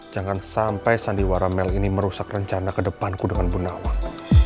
jangan sampai sandiwara mel ini merusak rencana kedepanku dengan bunawang